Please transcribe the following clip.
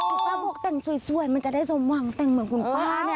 คุณป้าบอกแต่งสวยมันจะได้สมหวังแต่งเหมือนคุณป้าเนี่ย